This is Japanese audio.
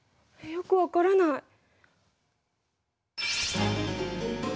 よく分からない。